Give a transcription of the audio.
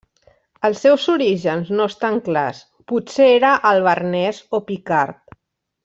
Els seus orígens no estan clars, potser era alvernès o picard.